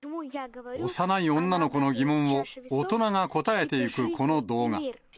幼い女の子の疑問を大人が答えていくこの動画。